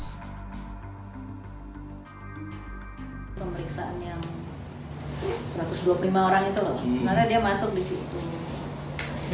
pemeriksaan yang satu ratus dua puluh lima orang itu loh sebenarnya dia masuk di situ